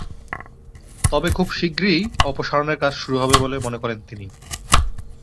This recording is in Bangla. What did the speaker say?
তবে খুব শিগগিরই অপসারণের কাজ শুরু হবে বলে মনে করেন তিনি।